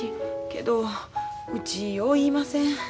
けどうちよう言いません。